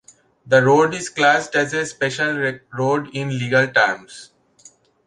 The road is classed as a special road in legal terms.